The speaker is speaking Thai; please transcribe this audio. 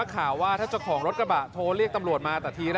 ทำไมไม่คุยกันสองคนจะไปโทรเรียกแม่ทำไม